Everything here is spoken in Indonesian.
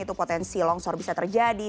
itu potensi longsor bisa terjadi